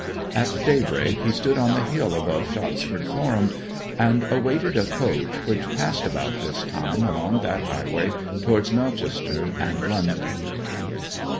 At daybreak he stood on the hill above Shottsford Forum, and awaited a coach which passed about this time along that highway towards Melchester and London.